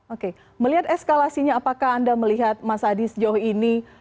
oke melihat eskalasinya apakah anda melihat mas adi sejauh ini